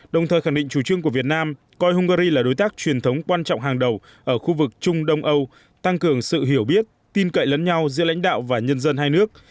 đồng thời khẳng định chủ trương của việt nam coi hungary là đối tác truyền thống quan trọng hàng đầu ở khu vực trung đông âu tăng cường sự hiểu biết tin cậy lẫn nhau giữa lãnh đạo và nhân dân hai nước